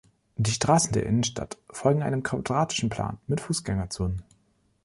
Die Straßen der Innenstadt folgen einem quadratischen Plan, mit Fußgängerzonen.